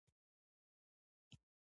د نساجي ماشینري نوې ده؟